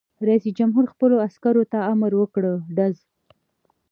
رئیس جمهور خپلو عسکرو ته امر وکړ؛ ډز!